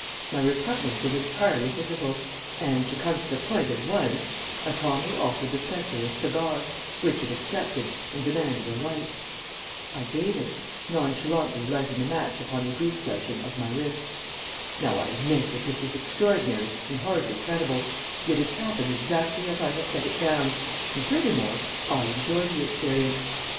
My repugnance was entirely physical, and, to come to the point at once, I calmly offered the spectre a cigar, which it accepted, and demanded a light. I gave it, nonchalantly lighting the match upon the goose fleshing of my wrist. [Illustration: I TURNED ABOUT, AND THERE, FEARFUL TO SEE, SAT THIS THING GRINNING AT ME.] Now I admit that this was extraordinary and hardly credible, yet it happened exactly as I have set it down, and, furthermore, I enjoyed the experience.